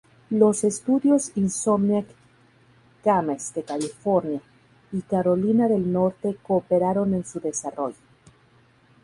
Los estudios Insomniac Games de California y Carolina del Norte cooperaron en su desarrollo.